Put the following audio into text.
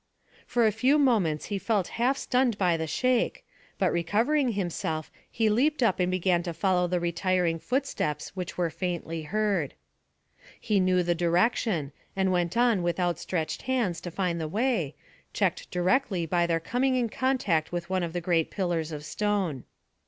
For a few moments he felt half stunned by the shake, but recovering himself he leaped up and began to follow the retiring footsteps which were faintly heard. He knew the direction, and went on with outstretched hands to find the way, checked directly by their coming in contact with one of the great pillars of stone.